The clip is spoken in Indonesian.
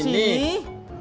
bukan di sini